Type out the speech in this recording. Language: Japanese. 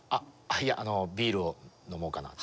いやあのビールを飲もうかなと。